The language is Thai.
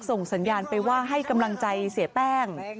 ส่งสัญญาณไปว่าให้กำลังใจเสียแป้ง